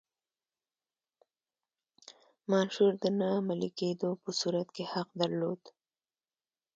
منشور د نه عملي کېدو په صورت کې حق درلود.